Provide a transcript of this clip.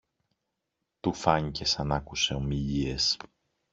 Του φάνηκε σα ν' άκουσε ομιλίες.